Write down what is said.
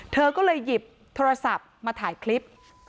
เธอก็เลยหยิบโทรศัพท์มาถ่ายคลิป